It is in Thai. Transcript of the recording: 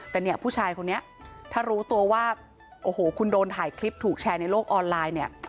แต่เนี่ยผู้ชายคนนี้ถ้ารู้ตัวว่าโอ้โหคุณโดนถ่ายคลิปถูกแชร์ในโลกออนไลน์เนี่ย